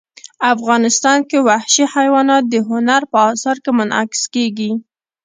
افغانستان کې وحشي حیوانات د هنر په اثار کې منعکس کېږي.